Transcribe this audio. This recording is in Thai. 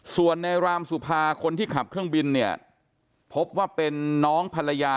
ส่วนในรามสุภาคนที่ขับเครื่องบินเนี่ยพบว่าเป็นน้องภรรยา